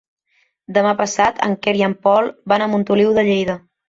Demà passat en Quer i en Pol van a Montoliu de Lleida.